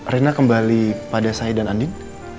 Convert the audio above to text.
rena kembali pada saya dan andin